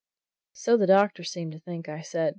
"So the doctor seemed to think," I said.